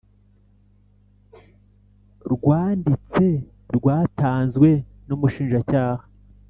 Rwanditse rwatanzwe n umushinjacyaha